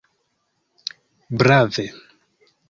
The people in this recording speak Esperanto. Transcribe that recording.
Brave!